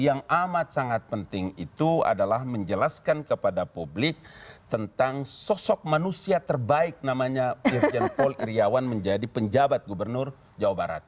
yang amat sangat penting itu adalah menjelaskan kepada publik tentang sosok manusia terbaik namanya irjen paul iryawan menjadi penjabat gubernur jawa barat